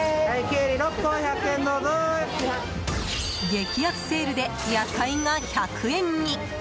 激安セールで野菜が１００円に。